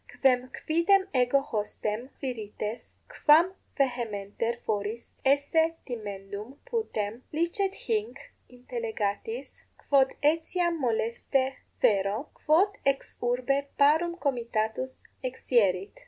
Quem quidem ego hostem, Quirites, quam vehementer foris esse timendum putem, licet hinc intellegatis, quod etiam moleste fero, quod ex urbe parum comitatus exierit.